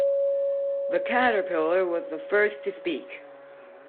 The Caterpillar was the first to speak.